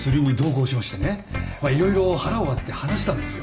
まあ色々腹を割って話したんですよ。